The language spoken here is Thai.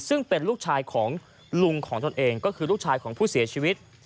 ซึ่งเป็นลูกชายของลุงของตนเองก็คือลูกชายของผู้เสียชีวิต